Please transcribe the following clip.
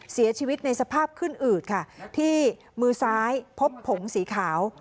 เสียชีวิตในสภาพขึ้นอืดค่ะที่มือซ้ายพบผงสีขาว